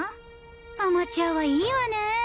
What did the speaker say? アマチュアはいいわね。